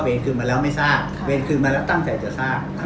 เว้นคืนมาแล้วไม่สาดเว้นคืนมาแล้วตั้งใจจะสาด